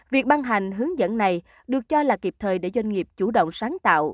việc ban hành hướng dẫn này được cho là kịp thời để doanh nghiệp chủ động sáng tạo